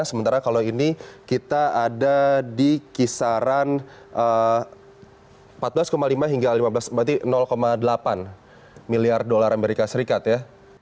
sementara kalau ini kita ada di kisaran empat belas lima hingga lima belas berarti delapan miliar dolar amerika serikat ya